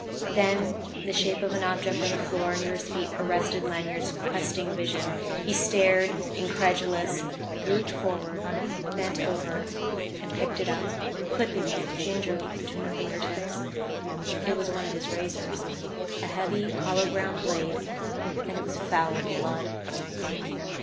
Then the shape of an object on the floor near his feet arrested Lanyard's questing vision. He stared, incredulous, moved forward, bent over and picked it up, clipping it gingerly between finger tips. It was one of his razors a heavy hollow ground blade and it was foul with blood.